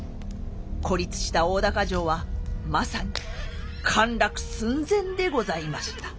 孤立した大高城はまさに陥落寸前でございました。